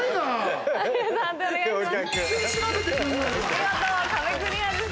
見事壁クリアです。